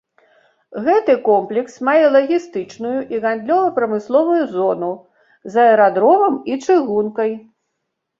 Гэты комплекс мае лагістычную і гандлёва-прамысловую зону з аэрадромам і чыгункай.